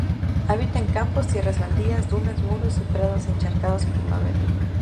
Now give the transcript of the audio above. Habita en campos, tierras baldías, dunas, muros, prados encharcados en primavera.